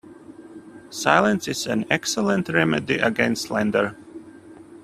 Silence is an excellent remedy against slander.